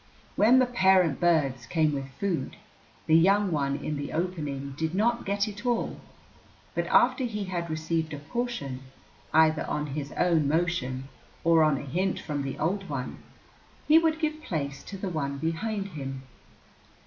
When the parent birds came with food, the young one in the opening did not get it all, but after he had received a portion, either on his own motion or on a hint from the old one, he would give place to the one behind him.